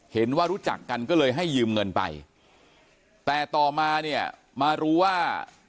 รู้จักกันก็เลยให้ยืมเงินไปแต่ต่อมาเนี่ยมารู้ว่า